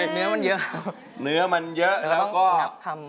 เนื้อมันเยอะแล้วก็ทำ